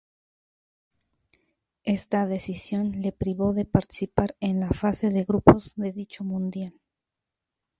Esta decisión le privó de participar en la fase de grupos de dicho mundial.